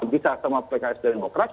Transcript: bisa sama pks dan demokrat